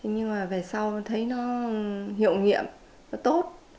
nhưng mà về sau thấy nó hiệu nghiệm nó tốt